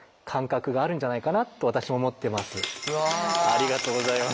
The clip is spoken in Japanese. ありがとうございます。